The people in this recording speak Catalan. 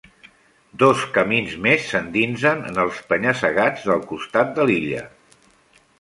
Dos camins més s'endinsen en els penya-segats del costat de l'illa.